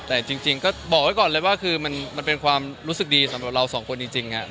แต่จริงก็บอกไว้ก่อนเลยว่าคือมันเป็นความรู้สึกดีสำหรับเราสองคนจริงครับ